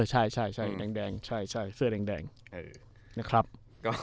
ใช่ใช่ใช่แดงแดงใช่ใช่เสื้อแดงแดงเออนะครับก็